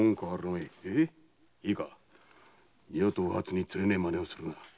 いいか二度とお初につれねえ真似をするな。